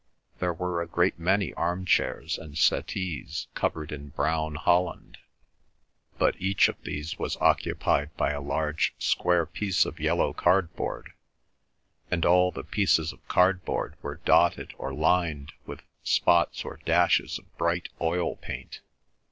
There were a great many arm chairs and settees covered in brown holland, but each of these was occupied by a large square piece of yellow cardboard, and all the pieces of cardboard were dotted or lined with spots or dashes of bright oil paint.